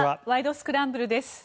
スクランブル」です。